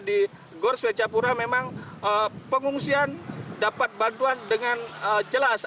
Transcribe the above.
di gors pecapura memang pengungsian dapat bantuan dengan jelas